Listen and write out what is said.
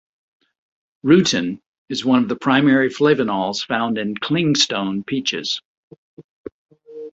Rutin is one of the primary flavonols found in 'clingstone' peaches.